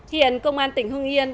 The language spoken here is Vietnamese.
hiện công an tỉnh hương yên